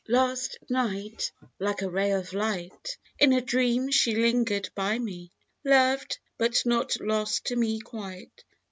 LAST night, like a ray of light, In a dream she lingered by me — Loved, but not lost to me quite.